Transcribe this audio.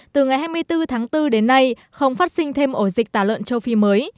từ ngày hai mươi bốn tháng bốn đến nay không phát sinh thêm ổ dịch tả lợn châu phi mới